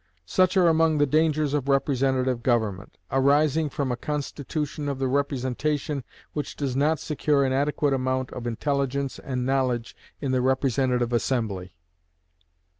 Such are among the dangers of representative government, arising from a constitution of the representation which does not secure an adequate amount of intelligence and knowledge in the representative assembly.